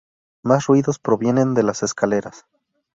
Más ruidos provienen de las escaleras.